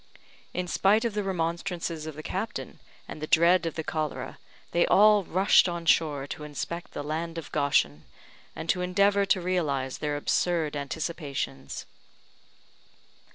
In spite of the remonstrances of the captain, and the dread of the cholera, they all rushed on shore to inspect the land of Goshen, and to endeavour to realise their absurd anticipations.